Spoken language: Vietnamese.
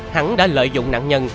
hắn đã lợi dụng nạn nhân